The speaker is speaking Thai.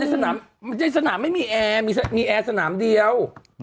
สนามในสนามไม่มีแอร์มีแอร์สนามเดียว